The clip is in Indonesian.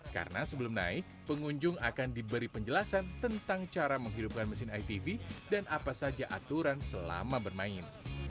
karena sebelum naik pengunjung akan diberi penjelasan tentang cara menghidupkan mesin etv dan apa saja aturan selama bermain